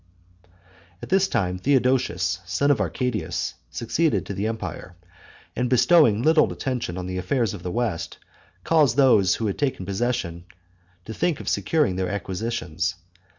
At this time Theodosius, son of Arcadius, succeeded to the empire; and, bestowing little attention on the affairs of the west, caused those who had taken possession to think of securing their acquisitions.